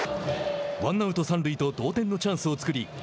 ワンアウト、三塁と同点のチャンスを作り